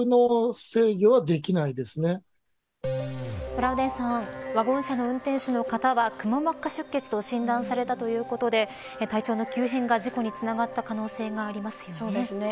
トラウデンさんワゴン車の運転手の方はくも膜下出血と診断されたということで体調の急変が事故につながった可能性がありますね。